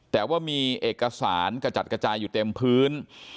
แต่ว่ามีเอกสารกระจัดกระจายอยู่เต็มพื้น